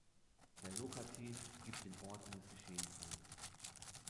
Der Lokativ gibt den Ort eines Geschehens an.